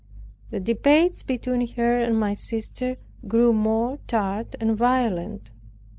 The debates between her and my sister grew more tart and violent.